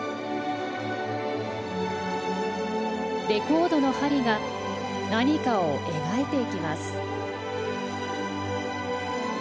レコードの針が何かを描いていきます。